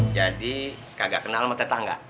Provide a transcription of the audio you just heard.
jadi kagak kenal sama tetangga